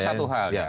satu hal ya